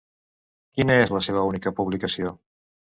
Quina és la seva única publicació?